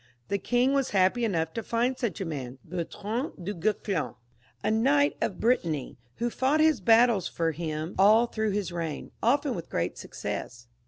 The king was happy enough to find such a man, Bertrand Dn Guesclin, a knight of Brittany, who fought his battles .for him aU through his reign, often with great success.